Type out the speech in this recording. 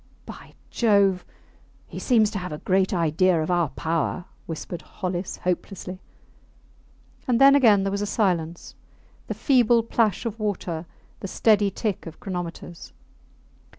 By Jove, he seems to have a great idea of our power, whispered Hollis, hopelessly. And then again there was a silence, the feeble plash of water, the steady tick of chronometers.